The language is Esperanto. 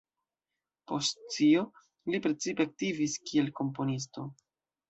Post tio li precipe aktivis kiel komponisto.